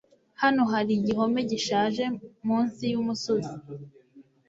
hano hari igihome gishaje munsi yumusozi